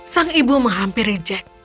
sang ibu menghampiri jack